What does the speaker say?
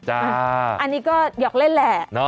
อันนี้ก็หยอกเล่นแหละ